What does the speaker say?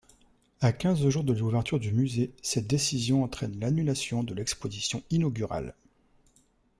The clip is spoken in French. À quinze jours de l'ouverture du musée, cette décision entraîne l'annulation de l'exposition inaugurale.